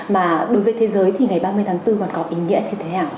mà đối với thế giới thì ngày ba mươi tháng bốn còn có ý nghĩa như thế nào